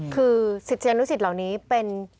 คือสิทธิ์เจนุสิทธิ์เหล่านี้เป็น